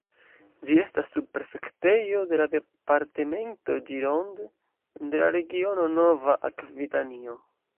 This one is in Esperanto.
Ĝi estas subprefektejo de la departemento Gironde, en la regiono Nova Akvitanio.